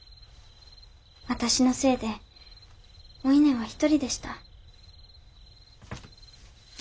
私のせいでお稲は独りでした。